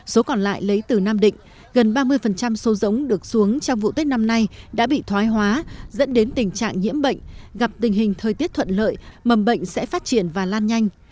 các ngành chức năng được xuống trong vụ tết năm nay đã bị thoái hóa dẫn đến tình trạng nhiễm bệnh gặp tình hình thời tiết thuận lợi mầm bệnh sẽ phát triển và lan nhanh